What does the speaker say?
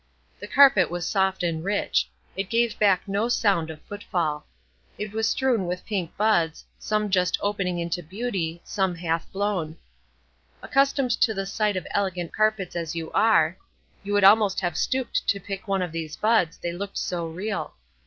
The carpet was soft and rich; it gave back no sound of footfall. It was strewn with pink buds; some just opening into beauty, some half blown. Accustomed to the sight of elegant carpets as you are, you would almost have stooped to pick one of these buds, they looked so real.